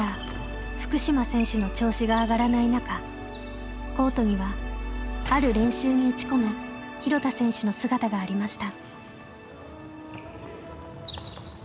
福島選手の調子が上がらない中コートにはある練習に打ち込む廣田選手の姿がありました。